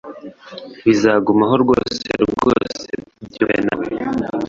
Bizagumaho rwose rwose byumve nawe